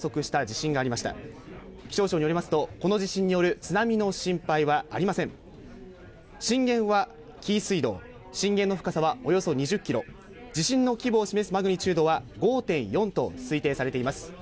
震源は紀伊水道、震源の深さはおよそ２０ｋｍ、地震の規模を示すマグニチュードは５．４と推定されています。